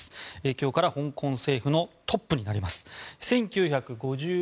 今日から香港政府のトップになります。